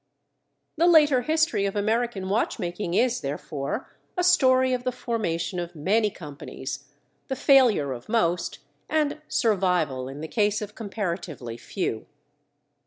The later history of American watch making is, therefore, a story of the formation of many companies, the failure of most, and survival in the case of comparatively few.